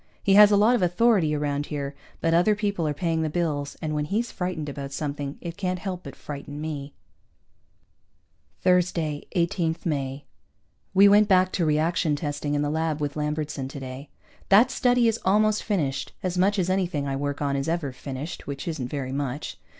He has a lot of authority around here, but other people are paying the bills, and when he's frightened about something, it can't help but frighten me. Thursday, 18 May. We went back to reaction testing in the lab with Lambertson today. That study is almost finished, as much as anything I work on is ever finished, which isn't very much.